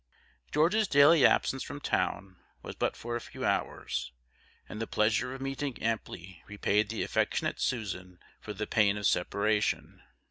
George's daily absence from town was but for a few hours, and the pleasure of meeting amply repaid the affectonate Susan for the pain of separation.